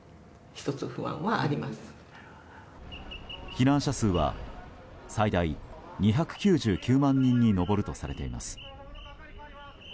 避難者数は最大２９９万人に上るとされています。